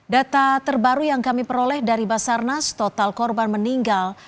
data terbaru yang kami peroleh dari basarnas total korban meninggal